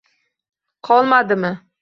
Qolmadimi?